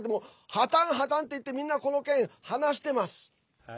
破綻、破綻と言ってみんな、この件話してます。